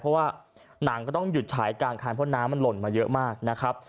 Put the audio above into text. เพราะว่าหนังก็ต้องหยุดฉายกลางคันเพราะน้ำมันหล่นมาเยอะมากนะครับ